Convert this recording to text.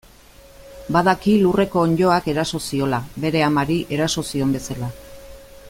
Badaki lurreko onddoak eraso ziola, bere amari eraso zion bezala.